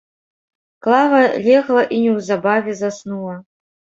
Клава легла і неўзабаве заснула.